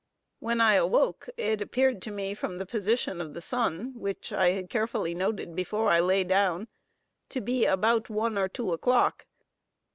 When I awoke, it appeared to me from the position of the sun, which I had carefully noted before I lay down, to be about one or two o'clock.